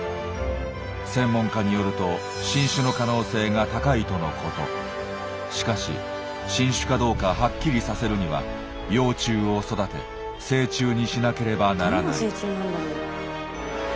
専門家によるとしかし新種かどうかはっきりさせるには幼虫を育て成虫にしなければならない。